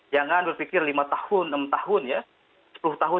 jangan berpikir lima tahun enam tahun ya sepuluh tahun